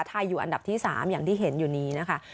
อยู่อันดับที่๓อย่างที่เห็นอยู่นี้นะคะ